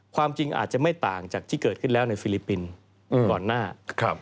ความจริงอาจจะไม่ต่างจากที่เกิดขึ้นแล้วในฟิลิปปินส์ก่อนหน้า